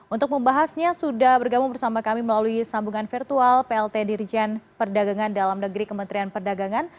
untuk membahasnya sudah bergabung bersama kami melalui sambungan virtual plt dirjen perdagangan dalam negeri kementerian perdagangan